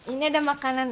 ini ada makanan